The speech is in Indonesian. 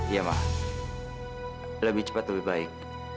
iya mas lebih cepat lebih baik